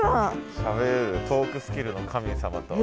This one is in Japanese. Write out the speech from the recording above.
しゃべれるトークスキルの神様。